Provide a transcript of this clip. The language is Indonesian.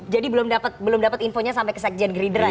jadi belum dapat infonya sampai ke sekjen geridra ya